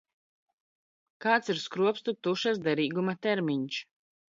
Kāds ir skropstu tušas derīguma termiņš?